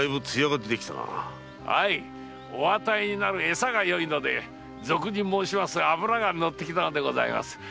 はいお与えの餌がよいので俗に申す「脂がのってきた」のでございます。